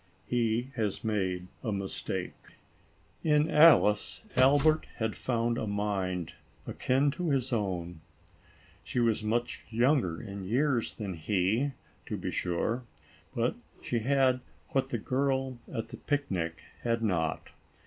He has made a mistake. In Alice, Albert had found a mind, akin to his own. She was much younger in years than he, to be sure, but she had what the girl at the pic ALICE ; OR, THE WAGES OF SIN. 45 nic has not.